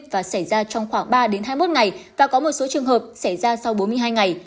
và xảy ra trong khoảng ba hai mươi một ngày và có một số trường hợp xảy ra sau bốn mươi hai ngày